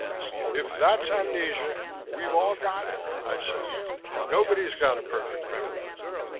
"If that's amnesia, we've all got it," I said. "Nobody's got a perfect memory."